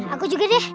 aku juga deh